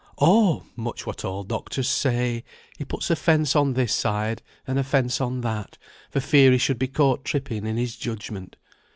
"Oh! much what all doctors say: he puts a fence on this side, and a fence on that, for fear he should be caught tripping in his judgment.